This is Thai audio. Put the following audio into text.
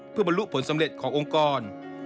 เพื่อบรรลุผลสำเร็จขององค์กร